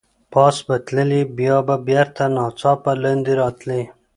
پاس به تللې، بیا به بېرته ناڅاپه لاندې راتلې.